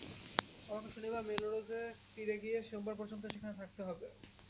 আমাকে শনিবারে মেলরোজ ফিরে গিয়ে সোমবার পর্যন্ত সেখানে থাকতে হবে।